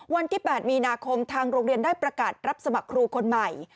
วันที่๘มีนาคมทางโรงเรียนได้ประกาศรับสมัครครูคนใหม่